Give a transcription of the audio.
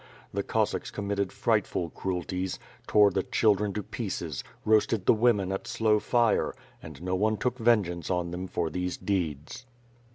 The Cossacks committed frightful cruelties; tore the children to pieces: roasted the women at slow fire — and no one took ven ^ance on them for these deeds.